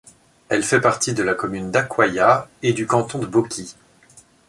Elle fait partie de la commune d'Akwaya et du canton de Boki.